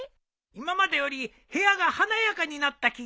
今までより部屋が華やかになった気がするなあ。